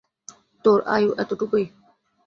তোর আয়ু এতোটুকুই।